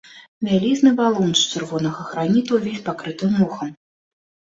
Вялізны валун з чырвонага граніту ўвесь пакрыты мохам.